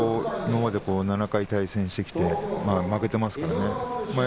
今まで７回対戦してきて負けていますね。